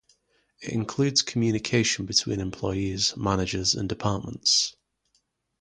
It includes communication between employees, managers, and departments.